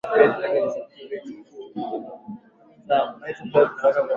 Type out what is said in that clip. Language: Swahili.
Nitasafiri wiki ijayo